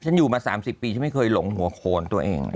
ฉันอยู่มา๓๐ปีฉันไม่เคยหลงหัวโขนตัวเอง